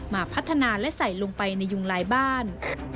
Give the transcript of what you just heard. มาพัฒนาและใส่ลงไปในยุงลายบ้าน